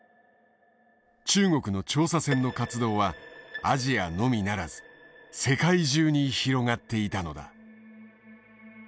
中国の調査船の活動はアジアのみならず世界中に広がっていたのだ。